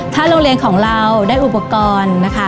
ถ้าโรงเรียนของเราได้อุปกรณ์นะคะ